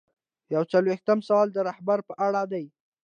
یو څلویښتم سوال د رهبرۍ په اړه دی.